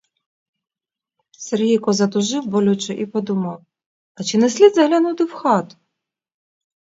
Затужив болюче і подумав, чи не слід заглянути у хату?